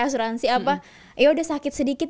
asuransi apa eh udah sakit sedikit